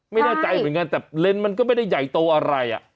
ไม่แน่ใจเหมือนกันแต่เลนส์มันก็ไม่ได้ใหญ่โตอะไร